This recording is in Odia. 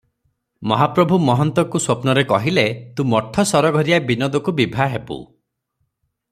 ମହାପ୍ରଭୁ ମହନ୍ତକୁ ସ୍ୱପ୍ନରେ କହିଲେ, 'ତୁ ମଠ ସରଘରିଆ ବିନୋଦକୁ ବିଭା ହେବୁ ।"